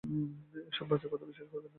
এ-সব বাজে কথায় বিশ্বাস করিবেন না।